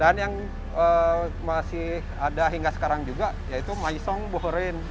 dan yang masih ada hingga sekarang juga yaitu maisong bohoreen